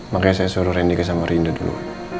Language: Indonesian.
makanya saya suruh rendy ke semarinda dulu